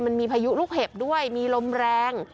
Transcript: พายุลูกเห็บด้วยมีลมแรง